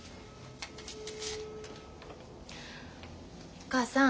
お母さん。